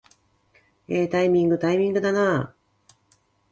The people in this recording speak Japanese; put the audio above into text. えータイミングー、タイミングだなー